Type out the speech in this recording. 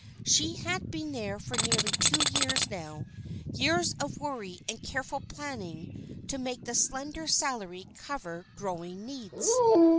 She had been there for nearly two years now, years of worry and careful planning to make the slender salary cover growing needs.